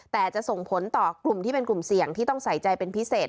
แต่จะส่งผลต่อกลุ่มที่เป็นกลุ่มเสี่ยงที่ต้องใส่ใจเป็นพิเศษ